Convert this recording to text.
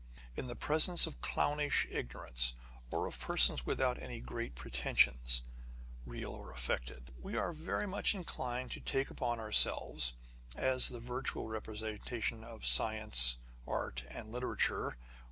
In the presence of clownish ignorance, or of persons without any great pretensions, real or affected, we are very much inclined to take upon ourselves, as the virtual representatives of science, art, and literature.